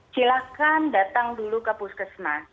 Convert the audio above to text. silahkan datang dulu ke puskesmas